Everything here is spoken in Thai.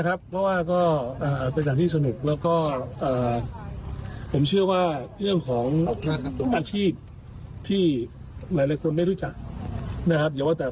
ให้มาช่วยผลักดันเรื่องหนัง